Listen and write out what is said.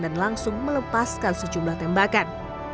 dan langsung melepaskan sejumlah tembakan